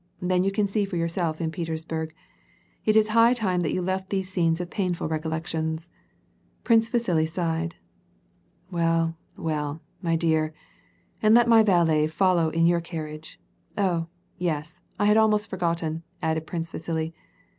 Then you can see for yourself in Petersburg. It is high time that you left these scenes of painful recollections." Prince Vasili sighed. "Well, well, my dear. And let my valet follow in your car riage. Oh, yes, I had almost forgotten," added Prince Vasili.